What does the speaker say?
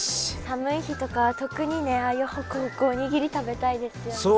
寒い日とかは特にねああいうほくほくおにぎり食べたいですよね。